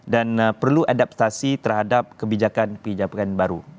dan perlu adaptasi terhadap kebijakan kebijakan baru